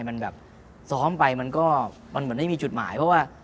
มันแบบซ้อมไปมันก็มันเหมือนไม่มีจุดหมายเพราะว่า